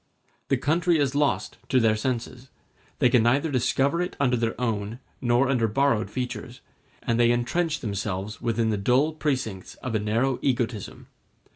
The country is lost to their senses, they can neither discover it under its own nor under borrowed features, and they entrench themselves within the dull precincts of a narrow egotism.